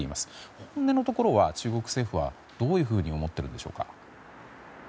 本音のところは中国政府はどういうふうに思っているんでしょうか。